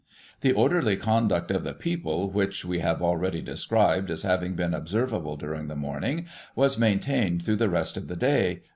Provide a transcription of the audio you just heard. " The orderly conduct of the people, which we have already described as having been observable during the morning, was maintained through the rest of the day.